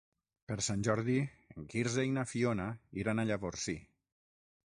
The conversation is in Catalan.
Per Sant Jordi en Quirze i na Fiona iran a Llavorsí.